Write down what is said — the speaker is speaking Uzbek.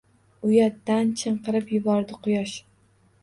Uyatdan chinqirib yubordi Quyosh.